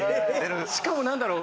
しかも何だろう。